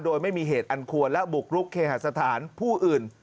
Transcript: โดยไม่มีเหตุอันควรและบุกรุกเคหาสถานผู้อื่น